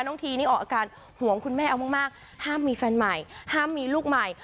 ทีนี่ออกอาการห่วงคุณแม่เอามากห้ามมีแฟนใหม่ห้ามมีลูกใหม่